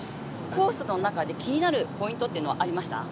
コースの中で気になるポイントってありました？